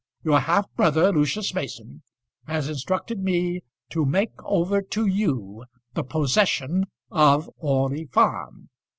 Your half brother Lucius Mason has instructed me to make over to you the possession of Orley Farm."